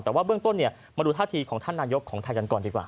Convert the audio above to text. แต่ว่าเบื้องต้นมาดูท่าทีของท่านนายกของไทยกันก่อนดีกว่า